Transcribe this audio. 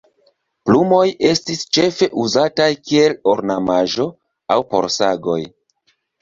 Plumoj estis ĉefe uzataj kiel ornamaĵo aŭ por sagoj.